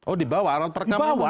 oh dibawa alat perekamnya